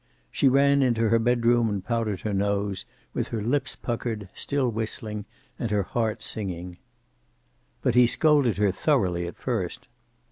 She ran into her bedroom and powdered her nose, with her lips puckered, still whistling, and her heart singing. But he scolded her thoroughly at first.